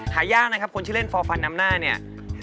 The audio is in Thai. หายากนะครับคนชื่อเล่นฟอร์ฟันน้ำหน้าเนี่ย